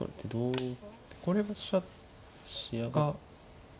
これは飛車が。